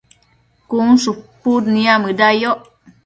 cun shupud niamëda yoc